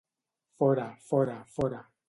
Fora, fora, fora.